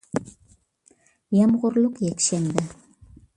يامغۇرلۇق يەكشەنبە